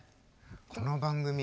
この番組。